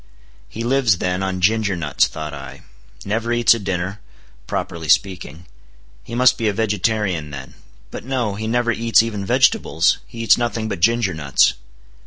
He lives, then, on ginger nuts, thought I; never eats a dinner, properly speaking; he must be a vegetarian then; but no; he never eats even vegetables, he eats nothing but ginger nuts.